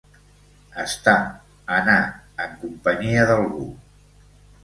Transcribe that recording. Estar, anar, en companyia d'algú.